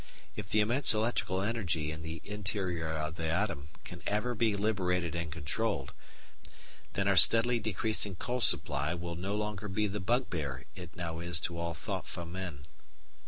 If the immense electrical energy in the interior of the atom can ever be liberated and controlled, then our steadily decreasing coal supply will no longer be the bugbear it now is to all thoughtful men.